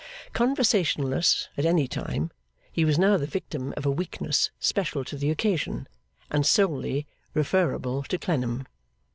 Conversationless at any time, he was now the victim of a weakness special to the occasion, and solely referable to Clennam.